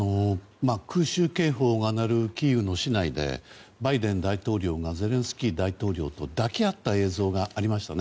空襲警報が鳴るキーウの市内でバイデン大統領がゼレンスキー大統領と抱き合った映像がありましたね。